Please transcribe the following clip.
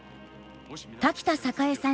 滝田栄さん